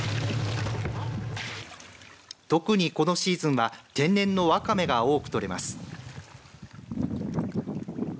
特に、このシーズンは天然のわかめが多く取れます。